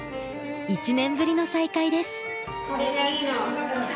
１年ぶりの再会です。